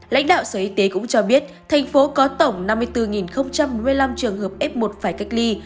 lãnh đạo sở y tế cũng cho biết thành phố có tổng năm mươi bốn một mươi năm trường hợp f một phải cách ly